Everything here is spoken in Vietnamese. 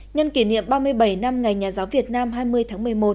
nhân kỷ niệm ba mươi bảy năm ngày nhà giáo việt nam hai mươi tháng một mươi một